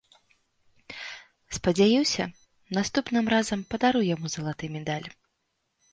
Спадзяюся, наступным разам падару яму залаты медаль.